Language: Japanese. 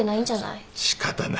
仕方ない。